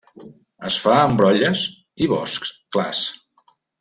Es fa en brolles i boscs clars.